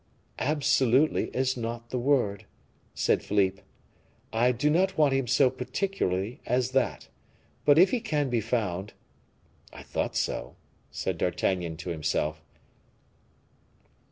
"Absolutely is not the word," said Philippe; "I do not want him so particularly as that; but if he can be found " "I thought so," said D'Artagnan to himself.